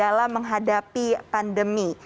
untuk menghadapi pandemi